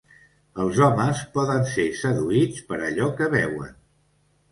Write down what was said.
Els homes poden ser seduïts per allò que veuen.